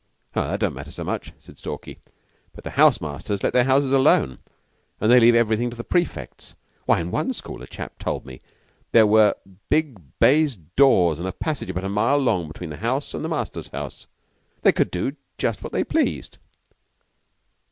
"That don't matter so much," said Stalky. "But the house masters let their houses alone, and they leave everything to the prefects. Why, in one school, a chap told me, there were big baize doors and a passage about a mile long between the house and the master's house. They could do just what they pleased."